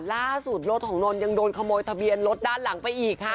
ล่าสุดรถของนนท์ยังโดนขโมยทะเบียนรถด้านหลังไปอีกค่ะ